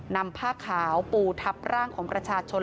นำผ้าขาวปูทับร่างของประชาชน